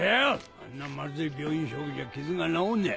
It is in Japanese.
あんなまずい病院食じゃ傷が治んねえ。